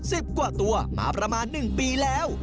สิบกว่าตัวมาประมาณหนึ่งปีแล้ว